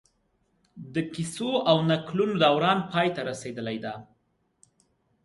د کيسو او نکلونو دوران پای ته رسېدلی دی